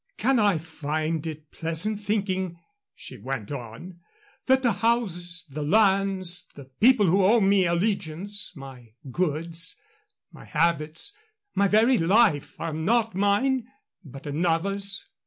"Can I find it pleasant thinking," she went on, "that the houses, the lands, the people who owe me allegiance, my goods, my habits, my very life, are not mine, but another's?"